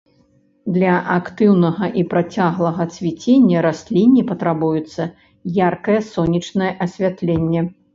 Для актыўнага і працяглага цвіцення расліне патрабуецца яркае сонечнае асвятленне.